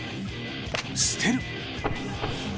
捨てる！